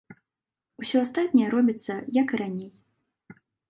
Усё астатняе робіцца, як і раней.